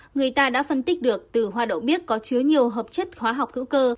người ta đã phân tích được từ hoa đậu biếc có chứa nhiều hợp chất khoa học cữ cơ